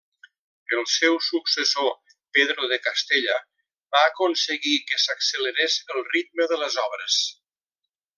El seu successor, Pedro de Castella, va aconseguir que s'accelerés el ritme de les obres.